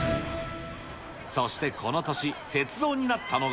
そしてこの年、雪像になったのが。